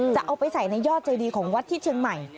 จะเอาไปใส่ในยอดเจดีของวัดที่เชียงใหม่